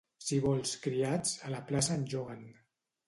Si vols criats, a la plaça en lloguen.